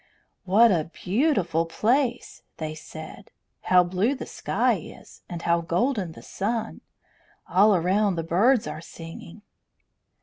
"What a beautiful place!" they said. "How blue the sky is! And how golden the sun! All around the birds are singing."